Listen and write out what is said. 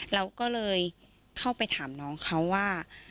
เราก็เลยเข้าไปถามน้องเขาว่า